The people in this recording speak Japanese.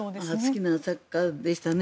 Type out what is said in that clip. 好きな作家でしたね。